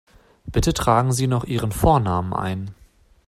Bitte tragen Sie noch Ihren Vornamen ein.